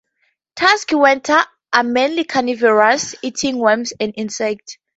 Tusked weta are mainly carnivorous, eating worms and insects.